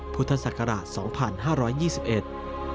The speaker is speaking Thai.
พุทธศักราช๒๕๒๑